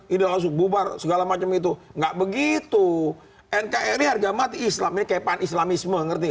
ideos bubar segala macam itu enggak begitu nkri harga mati islamnya kepanislamisme ngerti